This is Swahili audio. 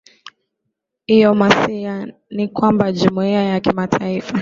lomasia ni kwamba jumuiya ya kimataifa